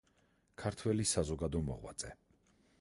ქართველი საზოგადო მოღვაწე.